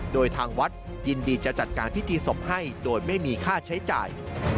โดยทางวัดยินดีจะจัดการพิธีศพให้โดยไม่มีค่าใช้จ่าย